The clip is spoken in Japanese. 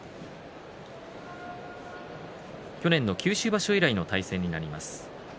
去年の九州場所以来の対戦になります。